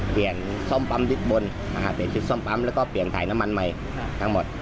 ซ่อมปั๊มทิศบนเปลี่ยนชุดซ่อมปั๊มแล้วก็เปลี่ยนถ่ายน้ำมันใหม่ทั้งหมด